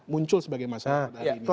muncul sebagai masalah